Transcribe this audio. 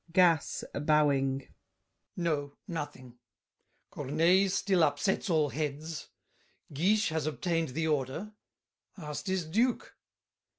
GASSÉ (bowing). No, nothing. Corneille still upsets all heads. Guiche has obtained the order; Ast is duke.